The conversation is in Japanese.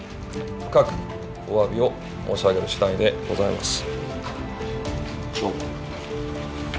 深くおわびを申し上げるしだいでございます。